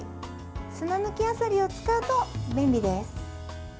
砂抜きあさりを使うと便利です。